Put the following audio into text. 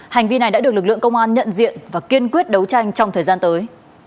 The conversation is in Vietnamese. hành vi này đã được lực lượng công an nhận diện và kiên quyết đấu tranh trong thời gian tới